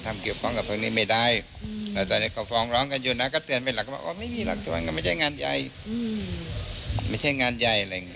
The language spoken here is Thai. ไม่ใช่งานใหญ่อะไรอย่างนี้